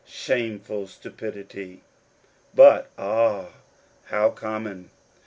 Shameful stupidity! but, ah, how common.